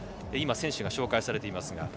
今、選手が紹介されています。